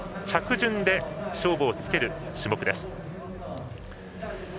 着順で勝負をつける種目です。